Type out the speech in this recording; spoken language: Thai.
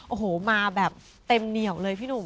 โอ้โหมาแบบเต็มเหนียวเลยพี่หนุ่ม